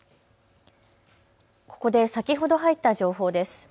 ここで先ほど入った情報です。